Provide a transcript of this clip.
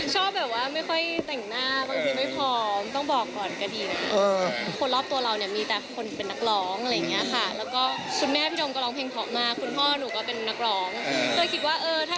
ชอบแบบว่าไม่ค่อยแต่งหน้าบางทีไม่พร้อมต้องบอกก่อนก็ดีนะ